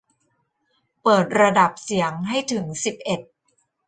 เปิดระดับเสียงให้ถึงสิบเอ็ด